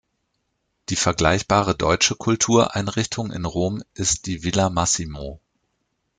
Die vergleichbare deutsche Kultureinrichtung in Rom ist die Villa Massimo.